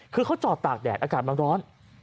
คือเขาจอดตากแดดอากาศมันร้อน